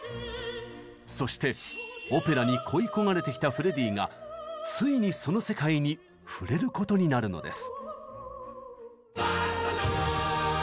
そしてオペラに恋い焦がれてきたフレディがついにその世界に触れることになるのです。